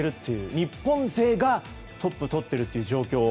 日本勢がトップをとっているという状況